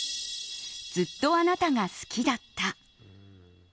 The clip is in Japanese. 「ずっとあなたが好きだった」。